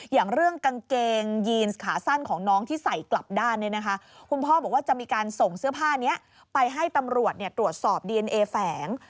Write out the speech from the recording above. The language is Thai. อย่างเรื่องกางเกงยีนขาสั้นของน้องที่ใส่กลับด้านเนี่ยนะคะคุณพ่อบอกว่าจะมีการส่งเสื้อผ้านี้ไปให้ตำรวจตรวจสอบดีเอนเอแฝง